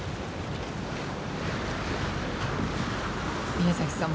宮崎さん